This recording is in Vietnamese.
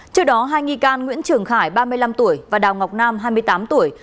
trước đó hai nghi can nguyễn trường khải ba mươi năm tuổi và đào ngọc nam hai mươi tám tuổi